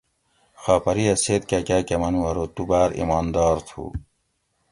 خاپریہ سید کاکاۤ کہۤ منو ارو تُو باۤر ایماندار تھو